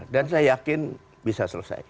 dan saya yakin bisa selesai